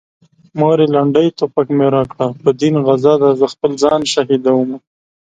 مورې لنډۍ توره مې راکړه په دين غزا ده زه خپل ځان شهيدومه